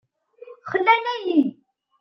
Xlan-iyi.